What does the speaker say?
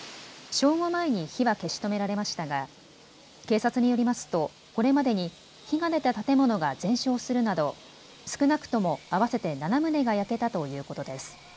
正午前に火は消し止められましたが警察によりますと、これまでに火が出た建物が全焼するなど少なくとも合わせて７棟が焼けたということです。